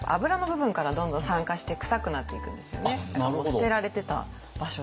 捨てられてた場所で。